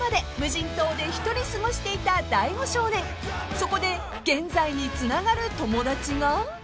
［そこで現在につながる友達が］